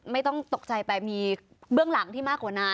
ไม่ต้องตกใจไปมีเบื้องหลังที่มากกว่านั้น